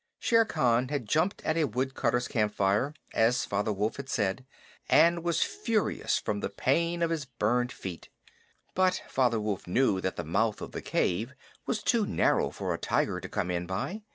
Shere Khan had jumped at a woodcutter's campfire, as Father Wolf had said, and was furious from the pain of his burned feet. But Father Wolf knew that the mouth of the cave was too narrow for a tiger to come in by.